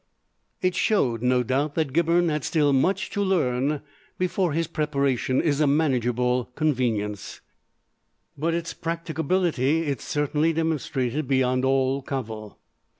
It showed, no doubt, that Gibberne has still much to learn before his preparation is a manageable convenience, but its practicability it certainly demonstrated beyond all cavil.